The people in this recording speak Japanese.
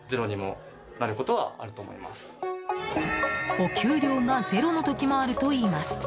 お給料がゼロの時もあるといいます。